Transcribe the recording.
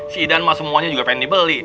si idan mas semuanya juga pengen dibeli